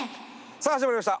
さあ始まりました